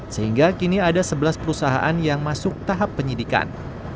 sehingga kini ada sebelas perusahaan yang masuk tahap penyidikan